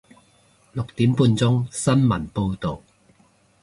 六點半鐘新聞報道